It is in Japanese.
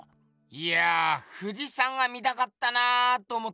いやぁ富士山が見たかったなぁと思ってよ。